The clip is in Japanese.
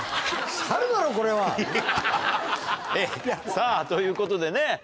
さぁということでね。